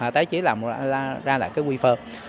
tái chế ra lại cái wifi